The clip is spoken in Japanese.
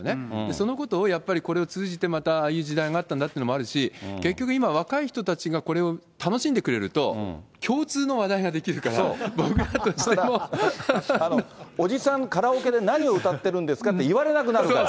そのことをやっぱりこれを通じて、ああいう時代があったんだっていうのもあるし、結局今、若い人たちがこれを楽しんでくれると、共通の話題ができるから、僕らとしても。おじさん、カラオケで何を歌ってるんですかって言われなくなるから。